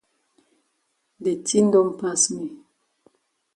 De tin don pass me.